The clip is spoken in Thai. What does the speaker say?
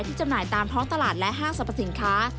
จำหน่ายตามท้องตลาดและห้างสรรพสินค้า